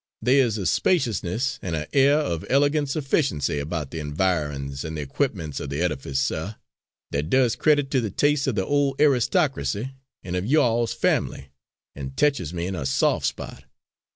They is a spaciousness, an' a air of elegant sufficiency about the environs and the equipments of the ed'fice, suh, that does credit to the tas'e of the old aristocracy an' of you all's family, an' teches me in a sof' spot.